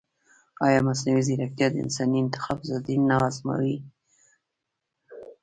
ایا مصنوعي ځیرکتیا د انساني انتخاب ازادي نه ازموي؟